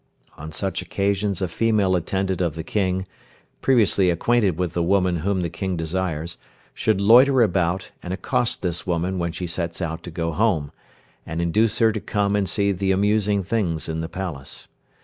On such occasions a female attendant of the King (previously acquainted with the woman whom the King desires), should loiter about, and accost this woman when she sets out to go home, and induce her to come and see the amusing things in the palace.